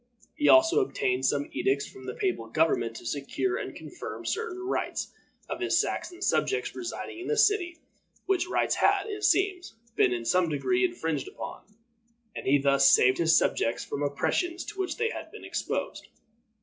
He also obtained some edicts from the papal government to secure and confirm certain rights of his Saxon subjects residing in the city, which rights had, it seems, been in some degree infringed upon, and he thus saved his subjects from oppressions to which they had been exposed.